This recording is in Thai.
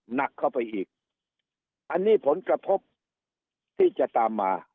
หนักเข้าไปอีกอันนี้ผลกระทบที่จะตามมา